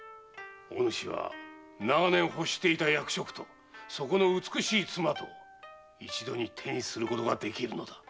おぬしは長年欲していた役職とそこの美しい妻とを一度に手にすることができるのだ。